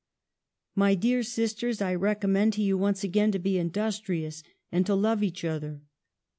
My dear sisters, I recommend to you once again to be industrious and to love each other.